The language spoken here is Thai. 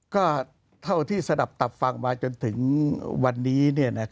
ก็เท่าที่สนับตับฟังมาจนถึงวันนี้